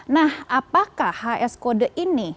nah apakah hs kode ini